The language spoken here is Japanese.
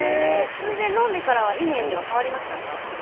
それで飲んでからはイメージは変わりましたか？